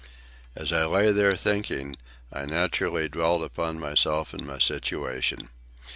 As I lay there thinking, I naturally dwelt upon myself and my situation.